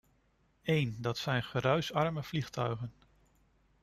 Een, dat zijn geruisarme vliegtuigen.